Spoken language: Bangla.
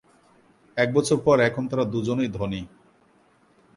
এক বছর পর এখন তারা দুজনেই ধনী।